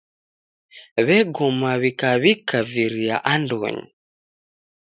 W'egoma w'ikaw'ika viria andonyi.